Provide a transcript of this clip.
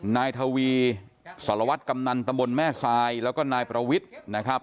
นายทวีสารวัตรกำนันตำบลแม่ทรายแล้วก็นายประวิทย์นะครับ